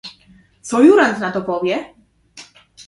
"Co Jurand na to powie?"